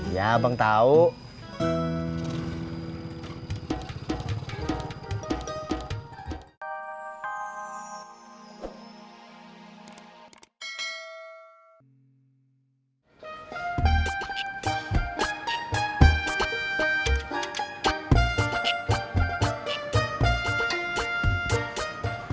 ya bang tau